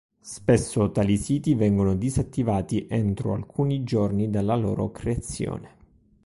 Spesso tali siti vengono disattivati entro alcuni giorni dalla loro creazione.